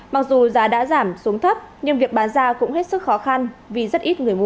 mặc dù giá đã giảm xuống thấp nhưng việc bán ra cũng hết sức khó khăn vì rất ít người mua